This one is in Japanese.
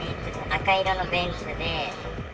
赤色のベンツで。